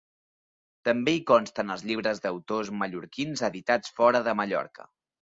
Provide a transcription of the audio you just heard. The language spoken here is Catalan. També hi consten els llibres d’autors mallorquins editats fora de Mallorca.